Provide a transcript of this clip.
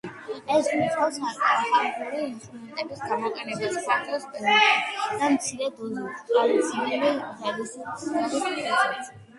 ეს გულისხმობს ხალხური ინსტრუმენტების გამოყენებას ფართო სპექტრით და მცირე დოზით ტრადიციული მღერის სტილსაც.